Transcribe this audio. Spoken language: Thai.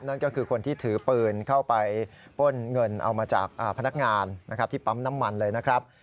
นั่นก็คือคนที่ถือปืนเข้าไปป้นเงินเอามาจากพนักงานที่ปั๊มน้ำมันเลยนะครับ